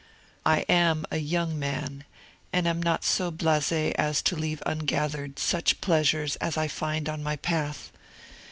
I am a young man, and am not so blasé as to leave ungathered such pleasures as I find on my path.